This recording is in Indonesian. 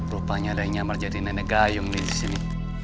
rupanya ada yang nyamar jadi nenek gayung disini